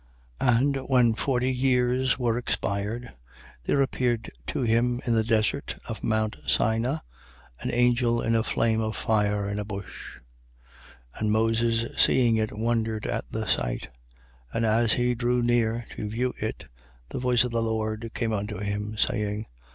And when forty years were expired, there appeared to him, in the desert of mount Sina, an angel in a flame of fire in a bush. 7:31. And Moses seeing it wondered at the sight. And as he drew near to view it, the voice of the Lord came unto him, saying: 7:32.